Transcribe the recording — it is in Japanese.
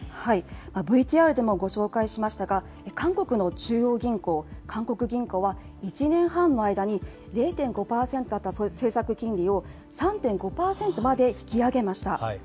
ＶＴＲでもご紹介しましたが、韓国の中央銀行、韓国銀行は、１年半の間に０．５％だった政策金利を、３．５％まで引き上げました。